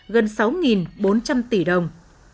gần sáu bốn trăm linh tỷ đồng